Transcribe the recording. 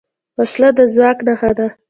وسله د ځواک نښه ده